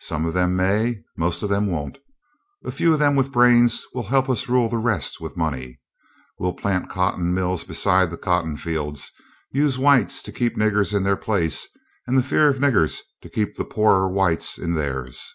"Some of them may most of them won't. A few of them with brains will help us rule the rest with money. We'll plant cotton mills beside the cotton fields, use whites to keep niggers in their place, and the fear of niggers to keep the poorer whites in theirs."